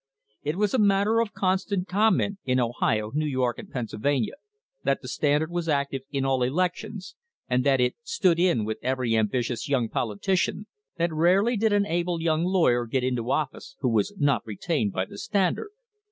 It was a matter of constant com ment in Ohio, New York and Pennsylvania that the Stand ard was active in all elections, and that it "stood in" with every ambitious young politician, that rarely did an able young lawyer get into office who was not retained by the Standard.